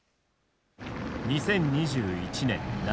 ２０２１年夏。